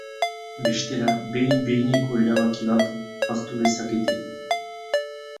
Bestela, behin-behineko erabaki bat hartu lezakete.